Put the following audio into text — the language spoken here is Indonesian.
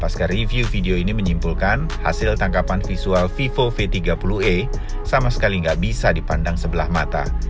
pasca review video ini menyimpulkan hasil tangkapan visual vivo v tiga puluh e sama sekali nggak bisa dipandang sebelah mata